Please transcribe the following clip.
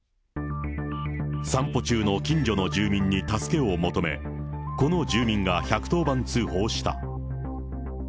散歩中の近所の住民に助けを求め、この住民が１１０番通報した。